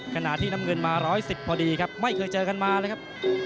ขณะที่น้ำเงินมา๑๑๐พอดีครับไม่เคยเจอกันมาเลยครับ